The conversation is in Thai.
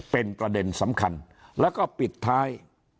เป็นประเด็นสำคัญแล้วก็ปิดท้าย